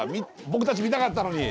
僕たち見たかったのに！